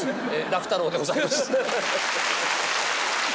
楽太郎でございます。